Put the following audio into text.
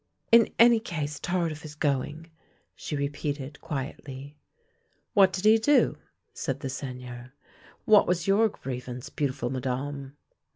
" In any case, Tardif is going," she repeated quietly, " What did he do? " said the Seigneur. " What was your grievance, beautiful Madame?"